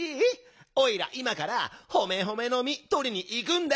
おいらいまからホメホメのみとりにいくんだ。